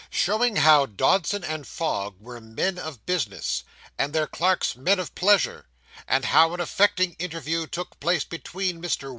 SHOWING HOW DODSON AND FOGG WERE MEN OF BUSINESS, AND THEIR CLERKS MEN OF PLEASURE; AND HOW AN AFFECTING INTERVIEW TOOK PLACE BETWEEN MR.